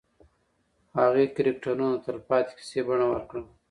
هغې کرکټرونه د تلپاتې کیسې بڼه ورکړه.